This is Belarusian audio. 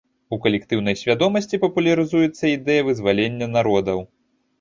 У калектыўнай свядомасці папулярызуецца ідэя вызвалення народаў.